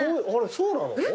そうなの？